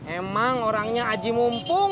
emang orangnya aji mumpung